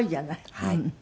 はい。